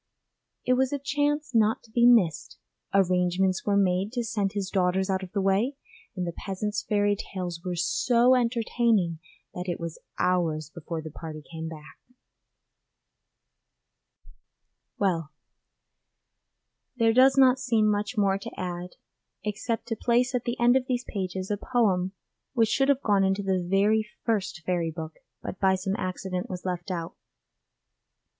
It was a chance not to be missed; arrangements were made to send his daughters out of the way, and the peasant's fairy tales were so entertaining that it was hours before the party came back. Well, there does not seem much more to add except to place at the end of these pages a poem which should have gone into the very first Fairy Book, but by some accident was left out.